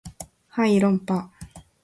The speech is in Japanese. はい論破